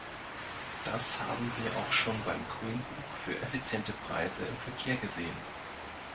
Das haben wir auch schon beim Grünbuch für effiziente Preise im Verkehr gesehen.